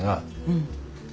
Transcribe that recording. うん。